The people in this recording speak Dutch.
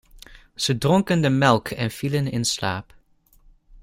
Ze dronken de melk en vielen in slaap.